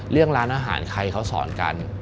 เรื่องร้านอาหารใครเขาสอนกัน